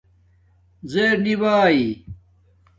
زیر نی بای